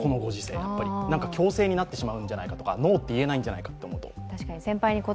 強制におなってしまうんじゃないかとかノーっていえないんじゃないかと思ってしまうと。